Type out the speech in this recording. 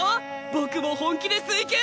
僕も本気で水球！